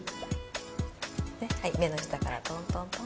目の下からトントントン。